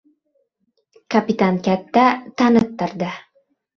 Kapitan katta tanitdirdi.